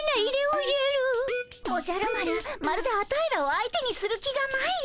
おじゃる丸まるでアタイらを相手にする気がないよ。